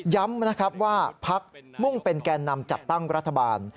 ย้ำว่าภักษ์มุ่งเป็นแก่นำจัดตั้งรัฐบาล